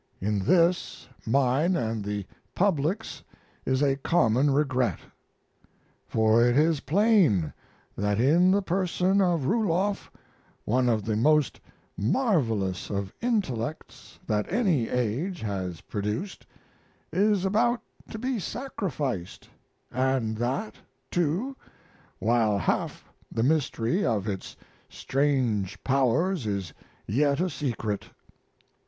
In this, mine and the public's is a common regret. For it is plain that in the person of Ruloff one of the most marvelous of intellects that any age has produced is about to be sacrificed, and that, too, while half the mystery of its strange powers is yet a secret.